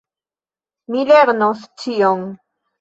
Mi lernos ĉion.